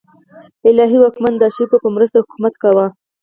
الهي واکمن د اشرافو په مرسته حکومت کاوه.